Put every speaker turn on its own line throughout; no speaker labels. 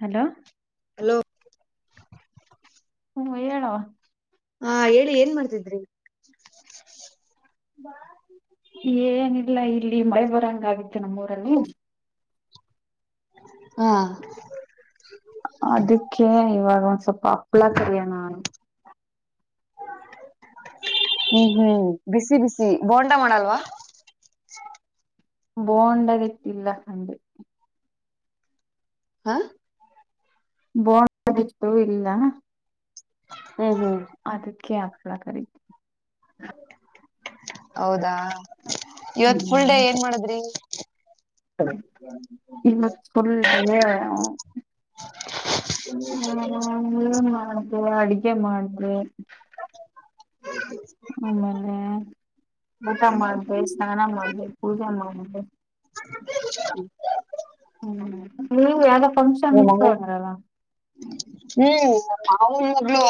Hello
hello
ಹ್ಮ್ ಹೇಳುವ
ಹಾ ಹೇಳಿ ಏನ್ ಮಾಡ್ತಿದ್ರಿ
ಏನಿಲ್ಲ ಇಲ್ಲಿ ಮೈ ಬರಂಗ ಆಗಿತ್ತು ನಮ್ಮೂಊರಲ್ಲಿೂ
ಹಾ
ಅದಕ್ಕೆ ಇವಾಗ ಒಂದ್ ಸ್ವಲ್ಪ ಹಪ್ಳ ಕರಿಿಯಣು
ಹ ಹ್ಮ್ ಹ್ಮ್ ಬಿಸಿ ಬಿಸಿ ಬೋಂಟ ಮಾಡಲ್ವಾ
ಬೊಂಡದಟ್ಟಿಲ್ಲ ಕಂಡು
ಹಾ
ಬೊಂಡದ ಹಿಟ್ಟು ಇಲ್ಲ
ಹ್ಮ್ ಹ್ಮ್
ಅದಕ್ಕೆ ಅಪ್ಪಳ ಕರಿ.
ಹೌದಾ ಇವತ್ ಫುಲ್ ಡೇ
ಹ್ಮ್
ಏನ್ ಮಾಡದ್ರಿ.
ಇವತ್ತು ಫುಲ್ ಡೇ.
ಹ [unintelligible]
ಏನ್ ಮಾಡ್ದೆ ಅಡುಗೆ ಮಾಡಿದೆ.
[inaudible]
ಆಮೇಲೆ. ಊಟ ಮಾಡ್ದ ಸ್ನಾನ ಮಾಡ್ದ ಪೂಜೆ ಮಾಡಿದೆ.
[inaudible]
[inaudible]
ಹ
ಇತ್ತು
ಹ್ಮ.
ಅಂದ್ರಲ್ಲ
ಮಾವನ್ ಮಗಳು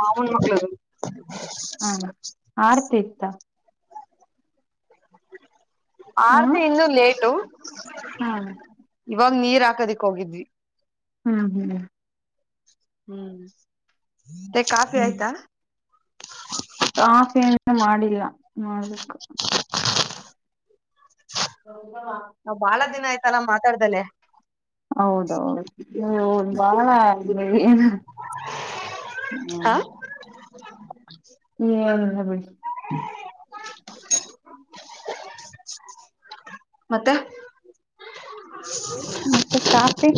ಮಾವನ ಮಗಳು.
ಹ ಆರ್ತಿ ಇತ್ತ.
ಆರ್ತಿ ಇನ್ನೂ ಲೇಟು.
ಹ್ಮ.
ಕದಕ್ ಹೋಗಿದ್ವಿ.
ಹ್ಮ್ ಹ್ಮ್.
ಹ್ಮ್ ಮೆ ಕಾಫಿ
ಹ್ಮ್
ಆಯ್ತಾ.
ಕಾಫಿ ಇನ್ನೂ ಮಾಡಿಲ್ಲ ಮಾಡಬೇಕ.
ನಾ ಬಾಳ ದಿನ ಆಯ್ತಲ್ಲ ಮಾತಾಡ್ದಲೆ.
ಹೌದೌದು ಬಾಳಏ. ಹ್ಮ.
ಹ
ಏನಿಲ್ಲ ಬಿಡಿ.
ಹಾ [inaudible] ಮತ್ತೆ
ಮತ್ತೆ ಕಾಫಿ.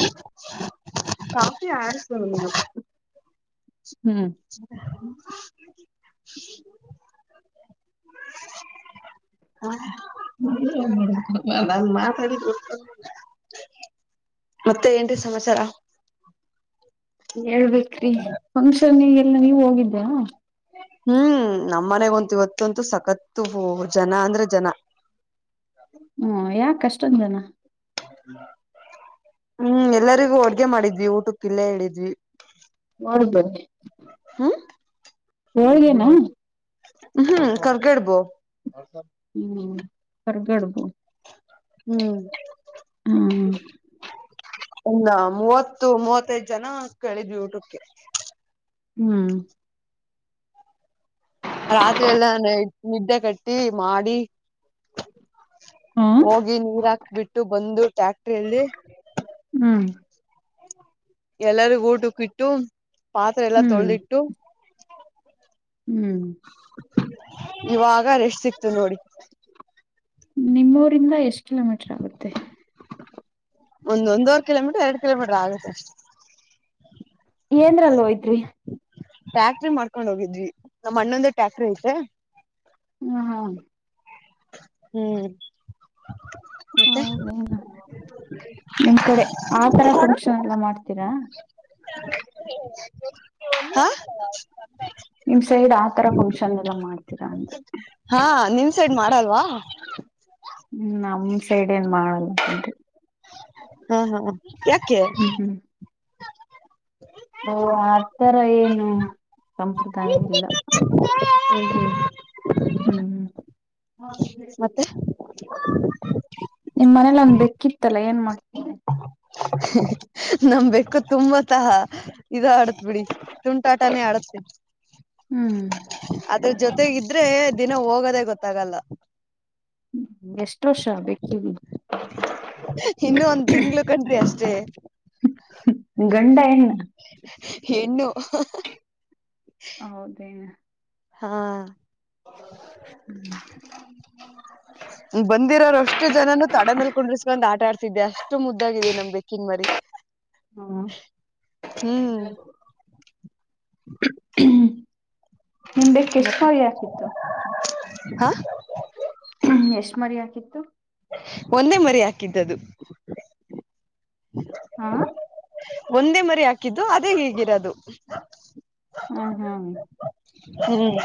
ಕಾಫಿ [unintelligible]
ಹ್ಮ್
ಹ [inaudible] [unintelligible] ಹ ನನ್ ಮಾತಾಡಿದು. ಮತ್ತೆ ಏನ್ರೀ ಸಮಾಚಾರ.
ಹೇಳ್ಬೇಕೇ್ರಿ ಫಂಕ್ಷನ್ ಎಲ್ಲ ನೀವ್ ಹೋಗಿದ್ದ್ಯಾ.
ಹ್ಮ್ ನಮ್ ಮನೆ ಗಂತು ಇವತ್ತಂತೂ ಸಕತ್ ಜನ ಅಂದ್ರೆ ಜನ. ಹ.
ಹ್ಮ ಯಾಕ ಅಷ್ಟೊಂದು ಜನ.
ಹ್ಮ್ ಎಲ್ಲರಿಗೂ ಅಡ್ಗೆ ಮಾಡಿದ್ವಿ ಊಟಕ್ಕ ಇಲ್ಲೇ ಹೇಳಿದ್ವಿ.
ಹೌ ಬ. [inaudible]
ಹ್ಮ
ಹೇಳು ನಾ.
ಹ್ಮ್ ಕರ್ಗಡ್ಬೋ
ಹ್ಮ್ ಹೊರ್ಗಡ್ಬು.
ಹ್ಮ್ ಒ. ಮೂವತ್ತು ಮೂವತ್ತೈದ್ ಜನ ಕೇಳಿದ್ವಿ ಊಟಕ್ಕೆ.
ಹ್ಮ್.
ರಾತ್ರಿ ಎಲ್ಲ ನಿದ್ದೆ ಕಟ್ಟಿ ಮಾಡಿ.
ಹ
ಹೋಗಿ ನೀರ್ ಹಾಕ್ ಬಿಿಟ್ಟು ಬಂದು ಟ್ಯಾಕ್
ಹ್ಮ್
ಎಲ್ಲರಿಗ ಓಟು ಕಿಟ್ಟು. ಪಾತ್ರೆ ಎಲ್ಲಾ
ಹ್ಮ್
ತೊಳೆದಿಟ್ಟು.
ಹ್ಮ್.
ಇವಾಗರೆಷ್ಟ ಸಿಕ್ತು ನೋಡಿ.
ನಿಮ್ಮೂರಿಂದ ಎಷ್ಟ್ ಕಿಲೋಮೀಟರ್ ಆಗುತ್ತೆ.
ಒಂದ ಒಂದುವವರ್ ಕಿಲೋಮೀಟರ್ ಎರಡ್ ಕಿಲೋಮೀಟರ್ ಆಗುತ್ತೆ
ಏನದ್ರಾ ಲ್ ಹೋಯ್ತ್ರಿ
ಟ್ಯಾಕ್ಟ್ರ ಮಾಡ್ಕೊಂಡ್ ಹೋಗಿದ್ವಿ ನಮ್ಮ್ ಅಣ್ಣೊಂದೇ ಟ್ಯಾಕ್ಟ್ರಿ ಐತೆ
ಹ್ಮ್ ಹ್ಮ್
ಹ್ಮ್ ಮತ್ತೆ
ಹೌದೇ ನಿಮ ಕಡೆ ಆತರ ಫಂಕ್ಷನ್ ಎಲ್ಲ ಮಾಡ್ತೀರಾ
ಹ
ನಿಮ್ ಸೈಡ್ ಆತರ ಫಂಕ್ಷನ್ ಎಲ್ಲ ಮಾಡ್ತೀರಾ ಅಂದ
ಹ
ಹ್ಮ್ ನಮ ಸೈಡ್ ಏನ್ ಮಾಡಲ್ಲ ಅಂಗೇ
ಹಾ ಹಾ ಯಾಕೆ
ಹ ಆಥರ ಏನು ಸಂಪ್ರದಾಯವಲ್ಲ
ಹ್ಮ ಹ್ಮ
ಹ್ಮ್ ಹ್ಮ್ [unintelligible]
ಮತ್ತೆ
ನಿಮ್ ಮನೇಲಿ ಒಂದ್ ಬೆಕ್ಕಿತ್ತಲ್ಲ ಏನ್ ಮಾಡ್ತ
[unintelligible] ನಮಬೇಕೇಕು ತುಂಬಾ ತಹ ಇದ ಆಡತ್ ಬಿಡಿ ತುಂಟಾಟಾನೇ ಆಡುತ್ತೆ
ಹ್ಮ್
ಅದ್ರ ಜೊತೆಗ ಇದ್ರೆ ದಿನ ಹೋಗೋದೇ ಗೊತ್ತಾಗಲ್ಲ
ಹ್ಮ ಎಷ್ಟ ವರ್ಷ ಬೇಕಿದ್ದಿ
ಇನ್ನು ಒಂದು ಮಾಡಿ ಅಷ್ಟೇ
ಗಂಡ ಹೆಣ್ಣ
ಹೆಣ್ಣು
ಹ ಹೌದೇ
ಹಾ
ಹ್ಮ್
ಬಂದಿರೋರು ಅಷ್ಟು ಜನನು ತಡ ಮೇಲ್ ಕುಡ್ರರ್ಸ್ಕೊಂಡ್ ಆಟ ಆಡ್ತಿದ್ದೆ ಅಷ್ಟು ಮುದ್ದಾಗಿದೆ ನಮ್ಗೆ ಬೇಕಿನ್ ಮರಿ
ಹ್ಮ
ಹ್ಮ್
ನಿಂದೆಕ್ಕೆ ಎಷ್ಟು ಸರಿ ಹಾಕಿತ್ತು
ಹಾ
ಹ್ಮ ಎಷ್ಟ್ ಮರಿ ಹಾಕಿತ್ತು
ಒಂದೆ ಮರಿ ಹಾಕಿದ್ದ್ದ
ಹಾ
ಒಂದೇ ಮರಿ ಹಾಕಿದ್ದು ಅದೇ ಹೀಗಿರದು.
ಹಾ ಹಾ
ಹ್ಮ್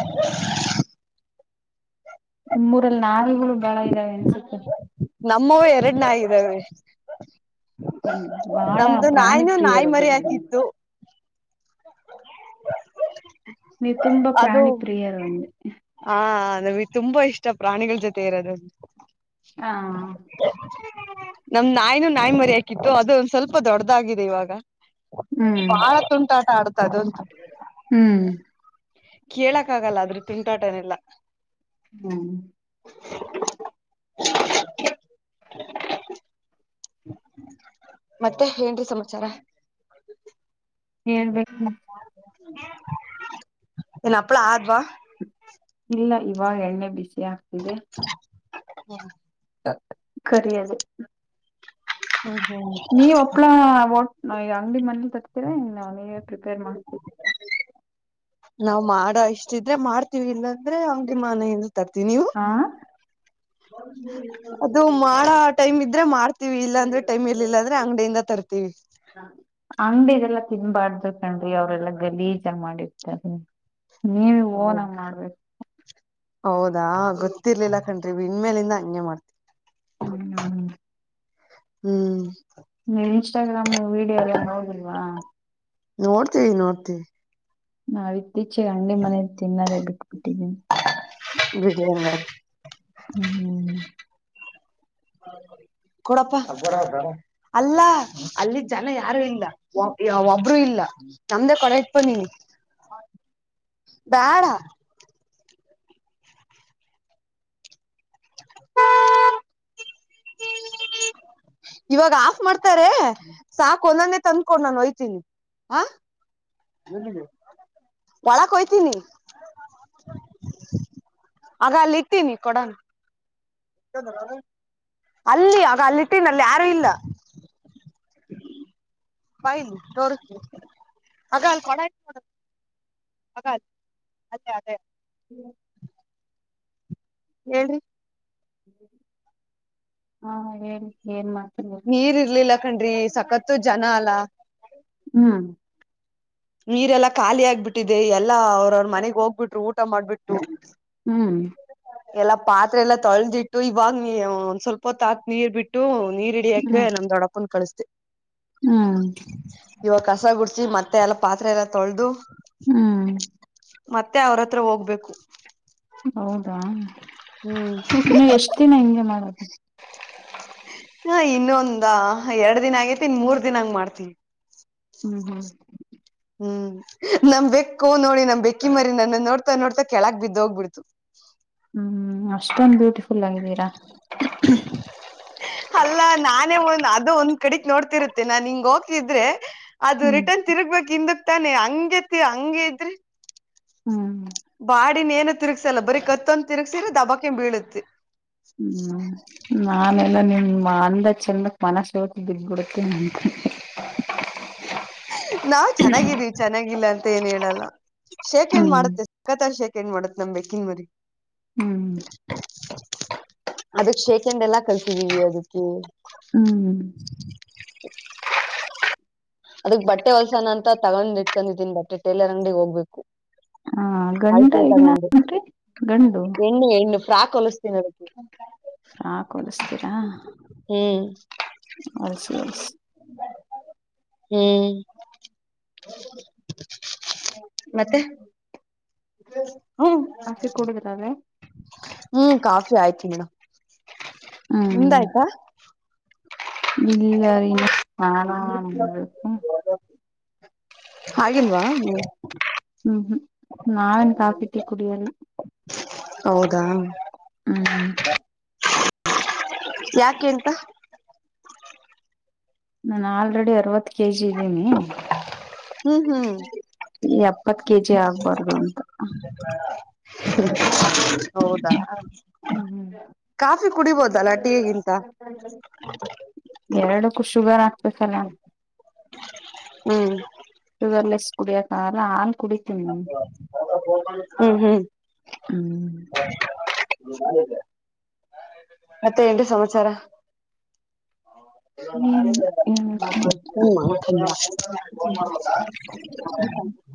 ಇಮ್ಮೂರಲ್ಲಿ ನಾಲ್ಗಳು ಬಾಳ ಇದ್ದಾವೆ ಅನ್ಸುತ್ತೆ.
ನಮ್ಮ ಎರಡ್ನಯಿ ಇದಾವೆ
ಹ್ಮ್ ಬಹಳ
ನಮ್ದು
ಪ್ರಾಣಿ
ನಾಯಿನೂ ನಾಯಿ
ಪ್ರಿಯರು
ಮರಿ
ಬಿಡ್ರಿ ನೀವು
ಹಾಕಿತ್ತು
ನೀ ತುಂಬಾ
ಅದು
ಪ್ರಾಣಿ ಪ್ರಿಯರು ಅಂದೆ
ಹಾ ನಮಗ್ ತುಂಬಾ ಇಷ್ಟ ಪ್ರಾಣಿಗಳ ಜೊತೆ ಇರೋದು
ಹಾ
[inaudible] ನಮ್ ನಾಯ್ನನು ನಾಯಿ ಮರಿ ಹಾಕಿತ್ತು ಅದುೊಂದ್ ಸ್ವಲ್ಪ ದೊಡ್ಡದಾಗಿದೆ ಇವಾಗ.
ಹ್ಮ್
ಬಾಳ ತುಂಟಾಟ ಆಡ್ತದ ಅದಂತೂ
ಹ್ಮ್
ಕೇಳಕ್ ಆಗಲ್ಲ ಆದ್ರೂ ತುಂಟಾಟನೆಲ್ಲ
ಹ್ಮ
[inaudible] ಮತ್ತೆ ಏನ್ ರೀ ಸಮಾಚಾರ
ಹೇಳ್ಬೇಕ ಮಾ
ಇನ್ ಅಪ್ಳ ಆದವಾ
ಇಲ್ಲ ಇವಾಗ ಎಣ್ಣೆ ಬಿಸಿ ಆಗ್ತಿದೆ
ಹಾ [inaudible]
ಕರೆಯಾದ
ಹ್ಮ್ ಹ್ಮ್
ನೀವ್ ಒಪ್ಳ ಟ್ ಈಗ ಅಂಗಡಿ ಮನಲಿ ತರ್ತೀರಾ ನೀವೇ ಪ್ರಿಪೇರ್ ಮಾಡ್ತೀವಿ
ನಾವವು್ ಮಾಡ ಇಷ್ಟಿದ್ರೆ ಮಾಡ್ತೀವಿ ಇಲ್ಲಾಂದ್ರೆ ಅವಗೆ ಮನ ಇ ತರ್ತೀ ನೀವು
ಹಾ
ಅದು ಮಾಡ ಟೈಮ್ ಇದ್ರೆ ಮಾಡ್ತೀವಿ ಇಲ್ಲಾ ಅಂದ್ರೆ ಟೈಮ್ ಎಲ್ಲಿಲ್ಲ ಅಂದ್ರೆ ಅಂಗಡಿಯಿಂದ ತರ್ತೀವಿ ಹ [unintelligible]
ಅಂಗಡಿದೆಲ್ಲಾ ತಿನ್ಬಾರ್ದು ಕಣ್ರಿ ಅವ್ರೆಲ್ಲಾ ಗಲೀಜ ಮಾಡಿರ್ತಾರೆ ನೀವ ಹಓನಂಗ ಮಾಡ್ಬೇಕು
ಹೌದಾ ಗೊತ್ತಿರ್ಲಿಲ್ಲ ಕಖಂಡ್ರಿ ಇಣ್ಮೇಲಿಂದ ಹಂಗೆ ಮಾಡ್ತವಿ
ಹ್ಮ್ ಹ್ಮ್ ಹ್ಮ್
ಹ್ಮ್
ನೀವ್ ಇನ್ಸ್ಟಾಗ್ರಾಮ್ ವಿಡಿಯೋ ಎಲ್ಲ ನೋದಲ್ವಾ
ನೋಡ್ತವಿ ನೋಡ್ತಿವಿ
ನಾವ ಇತ್ತೀಚೆಗೆ ಅಂಗಿ ಮನ ತಿನ್ನದೇ ಬಿು
ವಿಜಯನರ
ಹ್ಮ್ ಹ್ಮ್
ಕೊಡಪ್ಪ ಅಲ್ಲ ಅಲ್ಲಿ ಜನ ಯಾರು ಇಲ್ಲ ಒಬ್ಬರುೂ ಇಲ್ಲ ನಮ್ದ ಕಾಲಜ್ ಪನ್ನನಿ ಬ್ಯಾಡ [inaudible] ಇವಾಗ ಆಫ್ ಮಾಡ್ತಾರೆ ಸಾಕ್ ಒಲ್ಲನೆೇ ತಂದ್ಕೊೊಂಡ ನಾನು ಹೊಯ್ತೀನಿ ಹ ಒಳಕ್ ಹೋಯಿತೀನಿ ಆಗ ಅಲ್ಲಿ ಇತೀನಿ ಕೊಡನ್ ಅಲ್ಲಿ ಆಗ ಅಲ್ಲಿಟ್ಟೀನ ಅಲ್ಲಿ ಯಾರು ಇಲ್ಲ ೈನ್ [unintelligible] ತೋರಿಸ್ತಿನಿ ಹ ಅದೆ ಅದೆ ಹೇಳ್ರಿ
ಹಾ ಏನ್ ಏನ್ ಮಾಡ್ತ
ನೀರ್ ಇರ್ಲಿಲ್ಲ ಕಣ್ರಿ ಸಕತ್ತು ಜನ ಅಲ್ಲ
ಹ್ಮ್
ನೀರೆಲ್ಲಾ ಖಾಲಿ ಆಗ್ಬಿಟ್ಟಿದೆ ಎಲ್ಲಾ ಅವ್ರವ್ರ ಮನೆಗ್ ಹೋಗ್ಬಿಟ್ರು ಊಟ ಮಾಡ್ಬಿಟ್ರು
ಹ್ಮ್
ಎಲ್ಲಾ ಪಾತ್ರೆ ಎಲ್ಲ ತೊಳೆದಿಟ್ಟು ಇವಾಗ ನೀ ಒಂದ್ ಸ್ವಲ್ಪ ತಾತ್ ನೀರ್ ಬಿಟ್ಟು ನೀರ್ ಹಿಡಿಯಕ
ಹ್ಮ್
ನಮ ದೊಡಪನ್ ಕಳಿಸತೆ
ಹ್ಮ್
ಇವಾಗ ಕಸ ಗುಡ್ಸಿ ಮತ್ತೆ ಲ್ಲ ಪತ್ರಲ್ಲ
ಹ್ಮ್
ಮತ್ತೆ ಅವ್ರ ಹತ್ರ ಹೋಗ್ಬೇಕು
ಹೌದಾ
ಹ್ಮ್
ನೀನ್ನು ಎಷ್ಟ್ ದಿನ ಹಿಂಗೆ ಮಾಡದು
ಹ ಇನ್ನೊಂದ ಎರಡ್ ದಿನ ಆಗೇತಿ ಇನ್ ಮೂರ್ ದಿನಾಂಗ ಮಾಡ್ತವಿ
ಹ್ಮ್ ಹ್ಮ್
ಹ್ಮ್ ನಮ್ ಬೆಕ್ಕು ನೋಡಿ ನಮ್ ಬೆಕ್ಕಿ ಮರಿ ನನ್ನ ನೋಡ್ತಾ ನೋಡ್ತಾ ಕೆಳಕ್ ಬಿದ್ದ ಹೋಗ್ಬಿಡ್ತು
ಹ್ಮ್ ಅಷ್ಟೊಂದ ಬ್ಯೂಟಿಫುಲ್ ಆಗಿದ್ದೀರಾ
ಅಲ್ಲ ನಾನೇ ಒ ಅದು ಒ ಕಡಕ್ ನೋಡ್ತಿರುತ್ತೆ ನಾನ್ ಹಿಂಗ ಹೋಗ್ತಿದ್ರೆ ಅದು
ಹ್ಮ್
ರಿಟರ್ನ್ ತಿರುಗ್ಬೇಕಿಂದ ತಾನೆ ಹಂಗಗೆತಿ ಹಂಗಗೆ ಇದ್ರಿ
ಹ್ಮ್
ಬಾಡಿನ ಏನು ತಿರುಗ್ಸಲ್ಲ ಬರೀ ಕತ್ತಂದ್ ತಿರುಗ್ಸಿರ ದಬ್ಬಕ ಬೀಳತ್ತತಿ
ಹ್ಮ್ ನಾನೆ ಎಲ್ಲ ನಿಮ ಅಂದ ಚೆಂದಕ್ ಮನಸಕ್ಕೆ ದುಡ್ಬಿಡತ್ತೆ ನ
ನಾವ್ ಚೆನ್ನಾಗಿದ್ದೀವಿ ಚೆನ್ನಾಗಿಲ್ಲ ಅಂತ ಏನ್ ಹೇಳಲ್ಲ ಶೇಖ ಎಂಡ್
ಹ್ಮ್
ಮಾಡುತ್ತೆ ಸತ ಶೇಖ ಹೆಂಡ್ ಮಾಡತ್ೆ ನಮ್ ಬೇಕನ್ ಮರಿ
ಹ್ಮ್
ಅದಕ್ ಶೇಖಂಡ ಎಲ್ಲಾ ಕಲ್ಸಿದೀವಿ ಅದಕ್ಕೆ
ಹ್ಮ್
ಅದಕ್ ಬಟ್ಟೆ ಹೊಲ್ಸಾನ ಅಂತ ತಗೊಂಡ್ ಇಟ್ಕೊಂಡಿದೀನಿ ಬಟ್ಟೆ ಟೇಲರ್ ಅಂಗಡಿಿಗೆ ಹೋಗ್ಬೇಕು
ಹ ಗಂಡ
ಆಯ್ತಾಯ್
ಇನ್ನ
ತಗೊಂಡು
ಗಂಡು
ಎಣ್ಣು ಹೆಣ್ಣು ಫ್ರಾಕ್ ಹೊಲಸ್ತೀನಿ ಅದಕ್ಕೆ
ಹಾಕ್ ಹೊಲಸ್ತೀರಾ
ಹ್ಮ್
ಹೊಲ್ಸ ಹೊಲ್ಸ
ಹ್ಮ್ ಮತ್ತೆ ಹ್ಮ್
ಕಾಫಿ ಕುಡುದ್ರವೇ
ಹ್ಮ್ ಕಾಫಿ ಆಯ್ತಿ ನಡ ನಿಂದ ಆಯ್ತಾ
ಬಿಲ್ಲ ಅರಿಿಂದ ನಳ
ಹಾಗಾಗಿಲ್ವಾ ನೀ
ನಾವನ್ ಕಾಪಟ್ಟ ಕುಡಿಯಾರೆ
ಹೌದಾ
ಹ್ಮ್ ಹ್ಮ
ಯಾಕೆಂತ
ನಾನು ಆಲ್ರೆಡಿ ಅರವತ್ತು ಕೆಜಿ ಇದ್ದೀನಿ
ಹ್ಮ್ ಹ್ಮ್
ಈ ಎಪ್ಪತ್ ಕೆಜಿ ಆಗ್ಬಾರ್ದು ಅಂತ
ಹೌದಾ
ಹ್ಮ್್ಮ
ಕಾಫಿ ಕುಡಿಬೋದಲ್ಲ ಟೀಗಿಂತ
ಎರಡಕ್ಕೂ ಶುಗರ್ ಹಾಕ್ಬೇಕಲ್ಲ
ಹ್ಮ್
ರ್ಲೆಸ್ ಕುಡಿಯಕಲ್ಲ ಹಾಲ್ ಕುಡಿತೀನಿ ನ್
ಹ್ಮ್ ಹ್ಮ್
ಹ್ಮ್
ಮತ್ತೆ ಎಂಟು ಸಮಾಚಾರ
ಏನಿಲ್ಲ ಏನ್
ಹಾ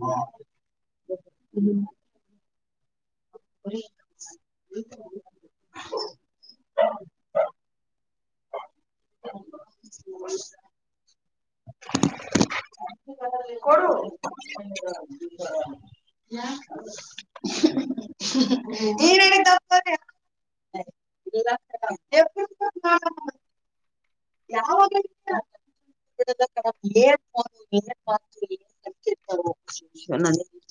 ಹಾ ಹ್ಮ ಹರಿ ಹಾ ಕೊ ನೀನ ತಪ್ಪ ಹಾ ಯಾವ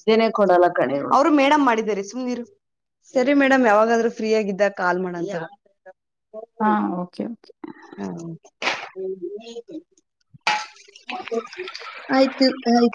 ಜನೆ ಕೊಡಲ್ಲ ಕಡೆ ಅವ್ರು ಮೇಡಮ್ ಮಾಡಿದಿದ್ದಾರೆ ಸುಮ್ನೀರು ಸರಿ ಮೇಡಮ್ ಯಾವಾಗಾದ್ರೂ ಫ್ರೀ ಆಗಿದ್ದ ಕಾಲ್ ಮಾಡ
ಹಾ ಓಕೆ ಕೆ
ಹಾ ಆಯ್ತು ಆಯ್ತು